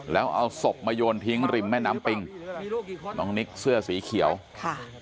แล้วเอาศพมาโยนทิ้งริมแม่น้ำปิงน้องนิกเสื้อสีเขียวค่ะ